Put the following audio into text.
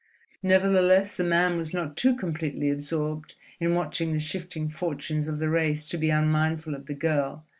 Nevertheless, the man was not too completely absorbed in watching the shifting fortunes of the race to be unmindful of the girl.